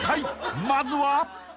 ［まずは！］